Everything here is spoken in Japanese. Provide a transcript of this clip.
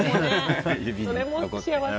それが幸せ。